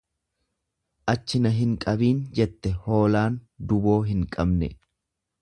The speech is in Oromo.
Achi na hin qabiin jette hoolaan duboo hin qabne.